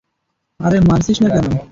আরে মারছিস না কেন?